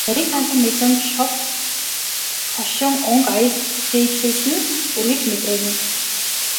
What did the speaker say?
Нарийн тансаг мэдрэмж, шог хошин өнгө аяс бүтээлээс нь үргэлж мэдрэгдэнэ.